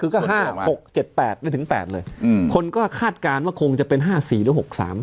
คือเสียงข้างมากก็๕๖๗๘ได้ถึง๘เลยคนก็คาดการว่าคงจะเป็น๕๔หรือ๖๓